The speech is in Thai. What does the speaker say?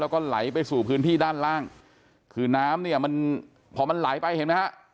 แล้วก็ไหลไปสู่พื้นที่ด้านล่างคือน้ำเนี่ยมันพอมันไหลไปเห็นไหมฮะ